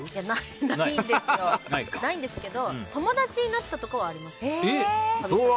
ないんですけど友達になったことはあります。